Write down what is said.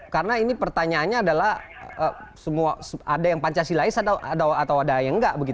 karena ini pertanyaannya adalah ada yang pancasilais atau ada yang enggak